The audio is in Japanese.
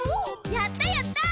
やったやった！